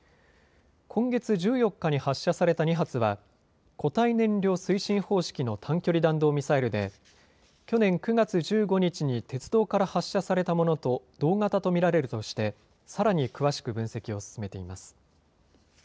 今月１４日に発射された２発は固体燃料推進方式の短距離弾道ミサイルで去年９月１５日に鉄道から発射されたものと同型と見られるとしてさらに詳しく分析を進めています。